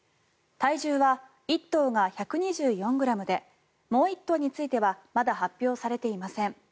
体重は１頭が１２４ｇでもう１頭についてはまだ発表されていません。